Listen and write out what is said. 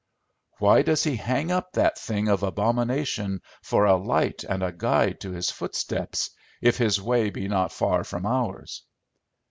"Why does he hang up that thing of abomination for a light and a guide to his footsteps, if his way be not far from ours?"